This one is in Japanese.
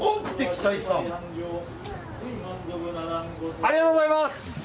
ありがとうございます！